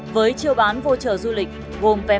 với chưa bán vô trờ du lịch gồm pma